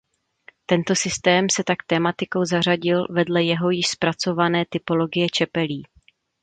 Tento systém se tak tematikou zařadil vedle jeho již zpracované typologie čepelí.